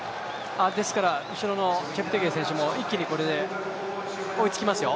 後ろのチェプテゲイ選手も一気にこれで追いつきますよ。